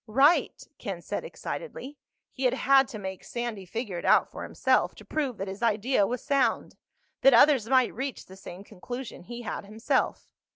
"Right," Ken said excitedly. He had had to make Sandy figure it out for himself, to prove that his idea was sound—that others might reach the same conclusion he had himself.